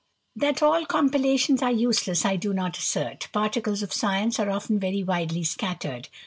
* That all compilations are useless, I do not assert. Particles of science are often very widely scattered.